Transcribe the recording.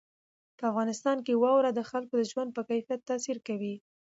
په افغانستان کې واوره د خلکو د ژوند په کیفیت تاثیر کوي.